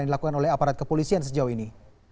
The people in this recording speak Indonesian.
yang dilakukan oleh aparat kepolisian sejauh ini